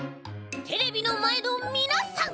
テレビのまえのみなさん！